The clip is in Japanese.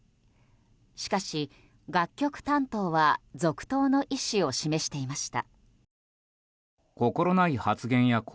しかし、楽曲担当は続投の意思を示していました。